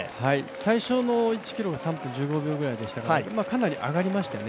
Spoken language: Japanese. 最初の１ｋｍが３分１５秒ぐらいでしたから、かなり上がりましたよね。